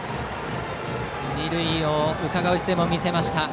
二塁をうかがう姿勢も見せました。